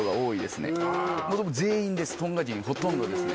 全員ですトンガ人ほとんどですね。